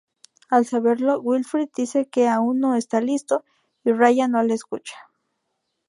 Al saberlo, Wilfred dice que aún no está listo, y Ryan no le escucha.